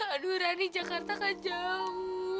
aduh rani jakarta kan jauh